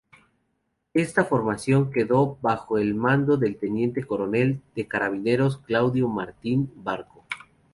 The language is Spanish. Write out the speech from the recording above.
Esta formación quedó bajo el mando del teniente coronel de carabineros Claudio Martín Barco.